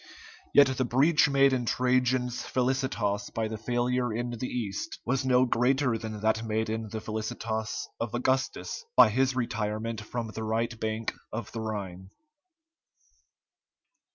Yet the breach made in Trajan's felicitas by the failure in the East was no greater than that made in the felicitas of Augustus by his retirement from the right bank of the Rhine.